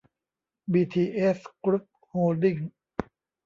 บีทีเอส กรุ๊ป โฮลดิ้งส์